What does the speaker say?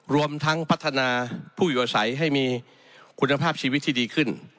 รวมทั้งพัฒนาผู้อยู่อาศัยให้มีคุณภาพชีวิตที่ดีขึ้น